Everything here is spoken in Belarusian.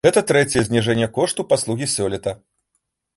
Гэта трэцяе зніжэнне кошту паслугі сёлета.